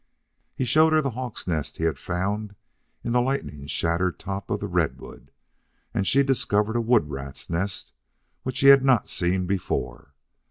He showed her the hawk's nest he had found in the lightning shattered top of the redwood, and she discovered a wood rat's nest which he had not seen before.